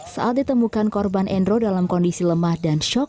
saat ditemukan korban endro dalam kondisi lemah dan shock